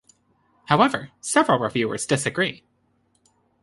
However, several reviewers disagree.